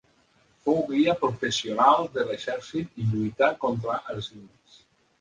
Fou guia professional de l'exèrcit i lluità contra els indis.